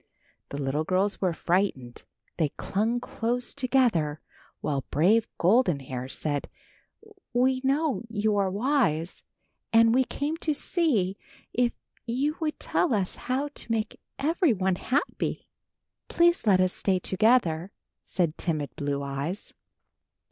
The little girls were frightened. They clung close together while brave Golden Hair said, "we know you are wise and we came to see if you would tell us how to make everyone happy." "Please let us stay together," said timid Blue Eyes.